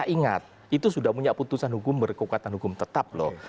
ingat itu sudah punya putusan hukum berkekuatan hukum tetap loh